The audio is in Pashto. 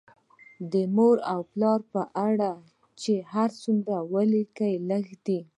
د مور او پلار په اړه چې هر څومره ولیکم لږ دي